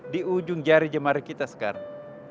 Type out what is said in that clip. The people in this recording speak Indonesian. di ujung jari jemari kita sekarang